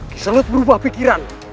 kiselut berubah pikiran